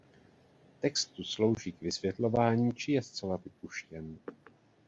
Text tu slouží k vysvětlování či je zcela vypuštěn.